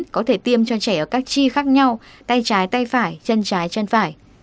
có thể tiêm cho trẻ ở các chi khác nhau tay trái tay phải chân trái chân phải